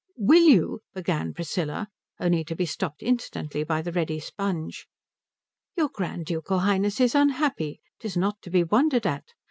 "Will you " began Priscilla, only to be stopped instantly by the ready sponge. "Your Grand Ducal Highness is unhappy. 'Tis not to be wondered at.